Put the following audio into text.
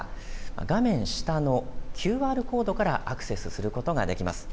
画面下のＱＲコードからアクセスすることができます。